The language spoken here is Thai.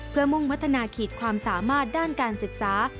เพื่อมุ่งพัฒนาขีดความสามารถด้านการศึกษา